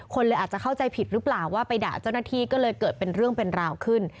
คนเลยอาจจะเข้าใจผิดหรือเปล่าว่าไปด่าเจ้าหน้าที่ก็เลยเกิดเป็นเรื่องเป็นราวขึ้น